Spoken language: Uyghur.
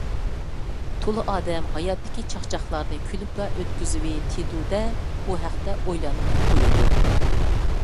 تولا ئادەم ھاياتتىكى چاقچاقلارنى كۈلۈپلا ئۆتكۈزۈۋېتىدۇ ـ دە، ئۇ ھەقتە ئويلانماي قويىدۇ.